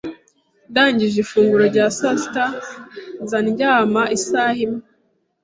Ndangije ifunguro rya sasita, nzaryama isaha imwe.